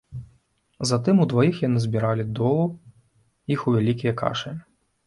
Затым удваіх яны збіралі долу іх у вялікія кашы.